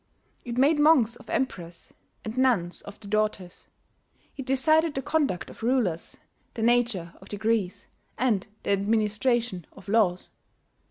It made monks of Emperors, and nuns of their daughters; it decided the conduct of rulers, the nature of decrees, and the administration of laws.